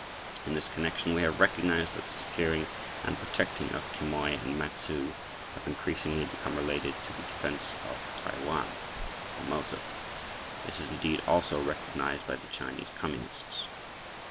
In this connection, we have recognized that the securing and protecting of Quemoy and Matsu have increasingly become related to the defense of Taiwan (Formosa). This is indeed also recognized by the Chinese Communists.